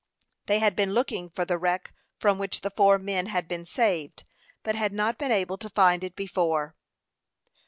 They had been looking for the wreck from which the four men had been saved, but had not been able to find it before.